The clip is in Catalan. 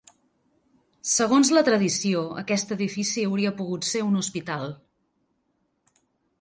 Segons la tradició aquest edifici hauria pogut ser un hospital.